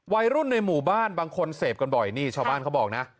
วัยรุ่นในหมู่บ้านบางคนเสพกันบ่อยนี่ชาวบ้านเขาบอกนะ